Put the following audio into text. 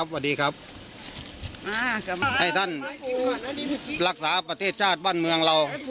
สวัสดีครับให้ท่านรักษาประเทศชาติบ้านเมืองเรา